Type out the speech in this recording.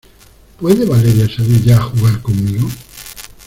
¿ puede Valeria salir ya a jugar conmigo?